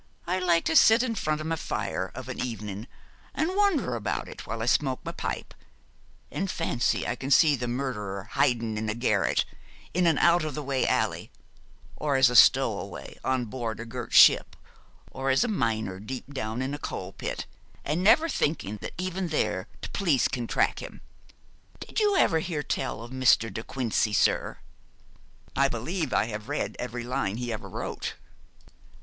I like to sit in front of my fire of an evening and wonder about it while I smoke my pipe, and fancy I can see the murderer hiding in a garret in an out of the way alley, or as a stowaway on board a gert ship, or as a miner deep down in a coalpit, and never thinking that even there t'police can track him. Did you ever hear tell o' Mr. de Quincey, sir?' 'I believe I have read every line he ever wrote.'